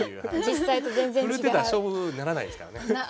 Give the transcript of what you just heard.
震えてたら勝負にならないですからね。